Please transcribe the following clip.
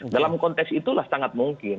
dalam konteks itulah sangat mungkin